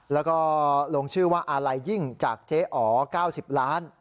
แล้วก็ลงชื่อว่าอาลัยยิ่งจากเจ๊อ๋อ๙๐ล้าน